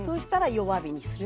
弱火にする。